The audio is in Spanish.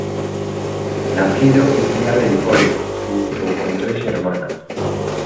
Nacido y criado en Ohio junto con tres hermanas.